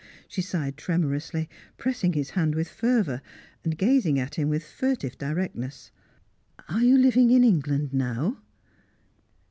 she sighed tremorously, pressing his hand with fervour, gazing at him with furtive directness. "Are you living in England now?"